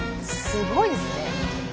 すごいですね。